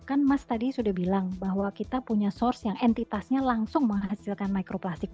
kan mas tadi sudah bilang bahwa kita punya source yang entitasnya langsung menghasilkan mikroplastik